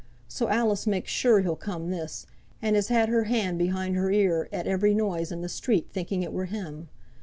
So Alice makes sure he'll come this, and has had her hand behind her ear at every noise in th' street, thinking it were him.